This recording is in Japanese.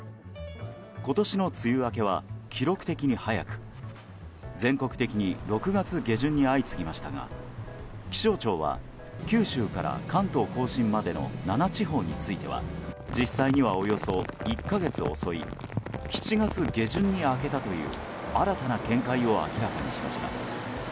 今年の梅雨明けは記録的に早く全国的に６月下旬に相次ぎましたが気象庁は九州から関東・甲信までの７地方については実際には、およそ１か月遅い７月下旬に明けたという新たな見解を明らかにしました。